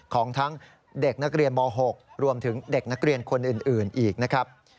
ของทั้งเด็กนักเรียนม๖รวมถึงเด็กนักเรียนคนอื่นอีกนะครับ